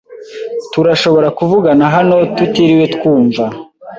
Turashobora kuvugana hano tutiriwe twumva.